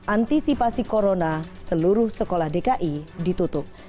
antisipasi corona seluruh sekolah dki ditutup